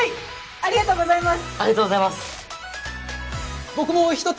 ありがとうございます。